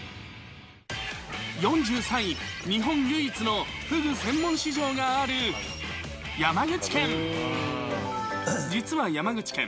４３位、日本唯一のフグ専門市場がある山口県。